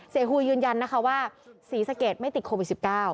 ฮูยยืนยันนะคะว่าศรีสะเกดไม่ติดโควิด๑๙